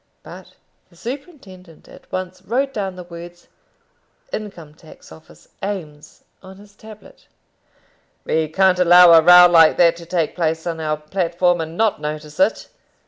But the superintendent at once wrote down the words "Income tax Office Eames," on his tablet. "We can't allow a row like that to take place on our platform and not notice it.